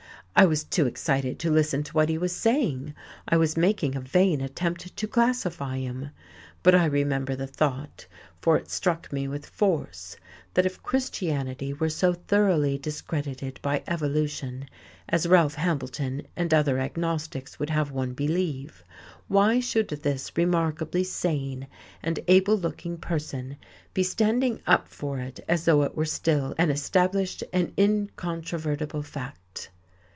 I was too excited to listen to what he was saying, I was making a vain attempt to classify him. But I remember the thought, for it struck me with force, that if Christianity were so thoroughly discredited by evolution, as Ralph Hambleton and other agnostics would have one believe, why should this remarkably sane and able looking person be standing up for it as though it were still an established and incontrovertible fact?